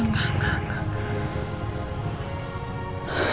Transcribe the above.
enggak enggak enggak